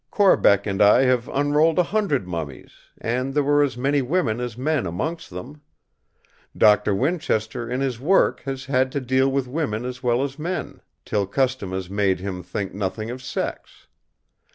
Corbeck and I have unrolled a hundred mummies; and there were as many women as men amongst them. Doctor Winchester in his work has had to deal with women as well of men, till custom has made him think nothing of sex.